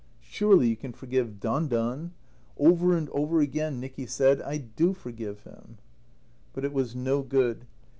Surely you can forgive Don Don?" Over and over again Nicky said, "I do forgive him." But it was no good.